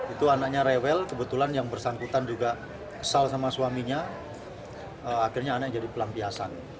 itu anaknya rewel kebetulan yang bersangkutan juga kesal sama suaminya akhirnya anaknya jadi pelampiasan